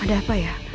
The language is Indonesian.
ada apa ya